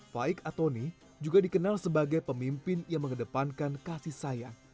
faik atoni juga dikenal sebagai pemimpin yang mengedepankan kasih sayang